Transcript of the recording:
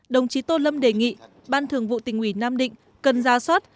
đồng chí tô lâm đề nghị ban thường vụ tỉnh ủy nam định cần ra soát